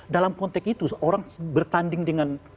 dalam konteks itu seorang bertanding dengan